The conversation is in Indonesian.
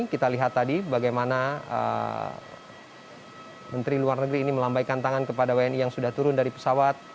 kita lihat tadi bagaimana menteri luar negeri ini melambaikan tangan kepada wni yang sudah turun dari pesawat